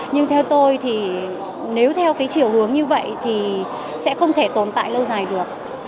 nhưng theo tôi thì nếu theo cái chiều hướng như vậy thì sẽ không thể tồn tại lâu dài được